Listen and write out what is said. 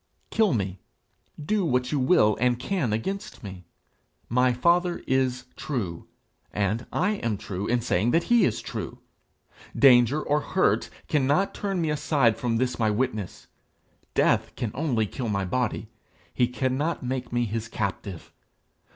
Kill me; do what you will and can against me; my father is true, and I am true in saying that he is true. Danger or hurt cannot turn me aside from this my witness. Death can only kill my body; he cannot make me his captive.